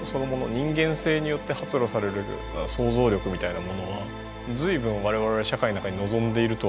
人間性によって発露される想像力みたいなものは随分我々社会の中に望んでいると思います。